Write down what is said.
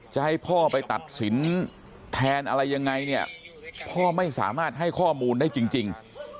จะให้พ่อไปตัดสินแทนอะไรยังไงเนี่ยพ่อไม่สามารถให้ข้อมูลได้จริง